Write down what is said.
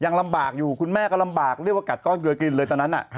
ยังลำบากอยู่คุณแม่ก็ลำบากเรียกว่ากัดก้อนเกลือกินเลยตอนนั้น